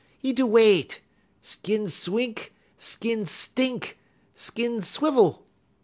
'E do wait. Skin swink, skin stink, skin swivel.